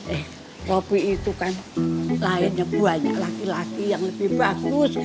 eh kopi itu kan lainnya banyak laki laki yang lebih bagus